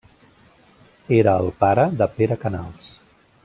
Era el pare de Pere Canals.